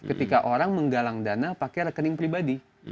ketika orang menggalang dana pakai rekening pribadi